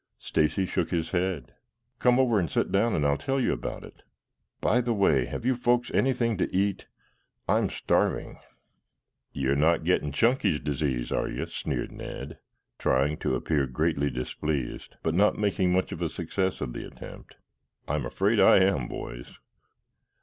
Stacy shook his head. "Come over and sit down, and I'll tell you about it. By the way, have you folks anything to eat? I'm starving." "You're not getting Chunky's disease, are you?" sneered Ned, trying to appear greatly displeased, but not making much of a success of the attempt. "I am afraid I am, boys.